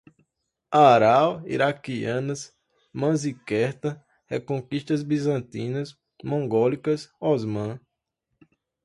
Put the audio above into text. Aral, iranianas, Manziquerta, reconquistas bizantinas, mongólicas, Osmã